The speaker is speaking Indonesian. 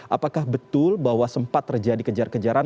apakah betul bahwa sempat terjadi kejar kejaran